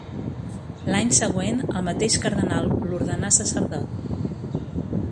L'any següent, el mateix cardenal l'ordenà sacerdot.